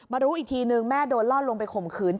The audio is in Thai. รู้อีกทีนึงแม่โดนล่อลวงไปข่มขืน